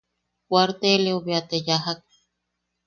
Kuaarteleu bea te yajak.